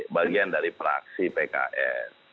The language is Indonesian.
bagian dari fraksi pks